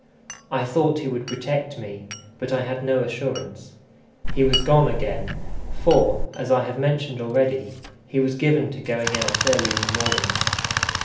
I thought he would protect me, but I had no assurance. He was gone again, for, as I have mentioned already, he was given to going out early in the mornings.